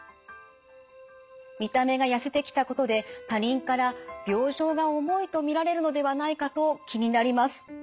見た目がやせてきたことで他人から病状が重いと見られるのではないかと気になります。